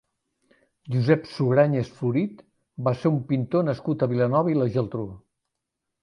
Josep Sugrañes Florit va ser un pintor nascut a Vilanova i la Geltrú.